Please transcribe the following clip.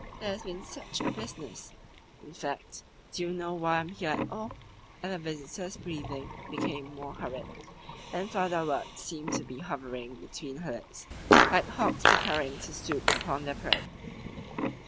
"There has been SUCH a business! In fact, do you know why I am here at all?" And the visitor's breathing became more hurried, and further words seemed to be hovering between her lips like hawks preparing to stoop upon their prey.